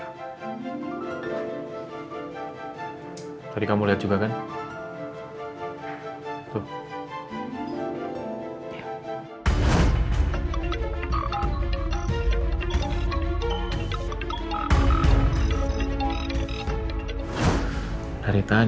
tadi kamu lihat juga kan